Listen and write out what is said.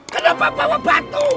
kenapa bawa batu